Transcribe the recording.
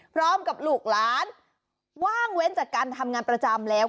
ลูกหลานว่างเว้นจากการทำงานประจำแล้ว